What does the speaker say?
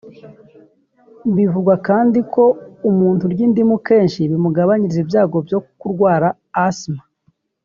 Bivugwa kandi ko ku muntu urya indimu kenshi bimugabaniriza ibyago byo kurwara asima